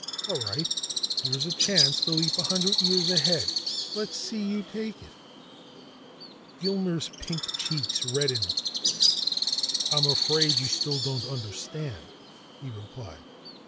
All right, here's a chance to leap a hundred years ahead. Let's see you take it." Gilmer's pink cheeks reddened. "I'm afraid you still don't understand," he replied.